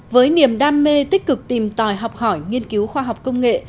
với niềm đam mê tích cực tìm tòi học hỏi nghiên cứu khoa học công nghệ